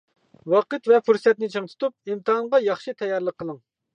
ۋاقىت ۋە پۇرسەتنى چىڭ تۇتۇپ، ئىمتىھانغا ياخشى تەييارلىق قىلىڭ.